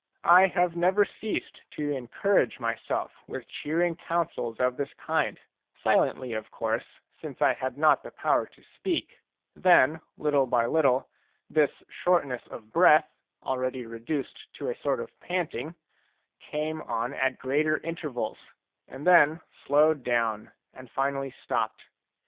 I have never ceased to encourage myself with cheering counsels of this kind, silently, of course, since I had not the power to speak ; then little by little this shortness of breath, already reduced to a sort of panting, came on at greater intervals, and then slowed down and finally stopped.